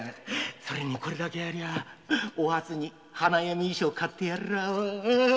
それにこれだけありゃお初に花嫁衣装が買ってやれらあ。